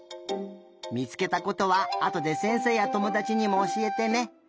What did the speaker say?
みつけたことはあとでせんせいやともだちにもおしえてね。